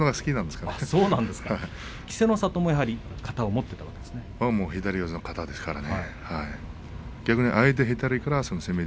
稀勢の里も左四つの型ですからね。